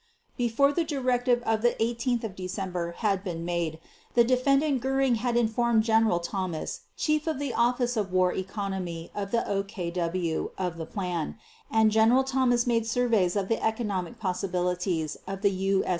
Before the directive of 18 December had been made, the Defendant Göring had informed General Thomas, chief of the Office of War Economy of the OKW, of the plan, and General Thomas made surveys of the economic possibilities of the U.